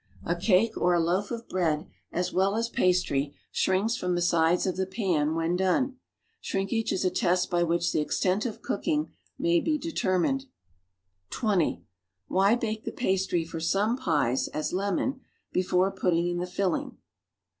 A cake or a loaf of bread, as well as pastry, shrinks from the sides of the pan, when done. Shrinkage is a test by which the extent of cooking may be determined. (20) ^^hy bake the pastry for some pies, as lemon, before [)iitting in llie tilling?